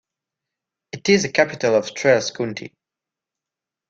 It is the capital of Strzelce County.